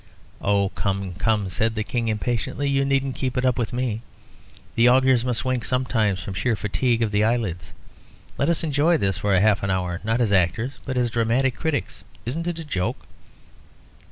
"Oh, come, come," said the King, impatiently, "you needn't keep it up with me. The augurs must wink sometimes from sheer fatigue of the eyelids. Let us enjoy this for half an hour, not as actors, but as dramatic critics. Isn't it a joke?"